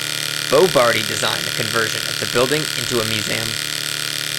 Bo Bardi designed the conversion of the building into a museum.